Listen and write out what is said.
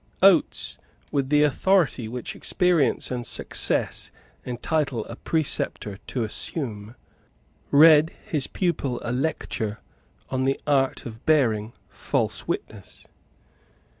Oates, with the authority which experience and success entitle a preceptor to assume, read his pupil a lecture on the art of bearing false witness.